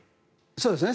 そうですね。